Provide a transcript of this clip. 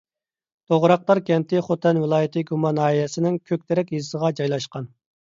توغراقتار كەنتى خوتەن ۋىلايىتى گۇما ناھىيەسىنىڭ كۆكتېرەك يېزىسىغا جايلاشقان.